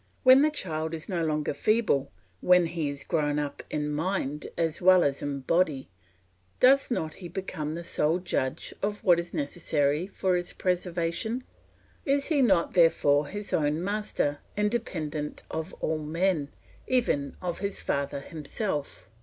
When the child is no longer feeble, when he is grown up in mind as well as in body, does not he become the sole judge of what is necessary for his preservation? Is he not therefore his own master, independent of all men, even of his father himself?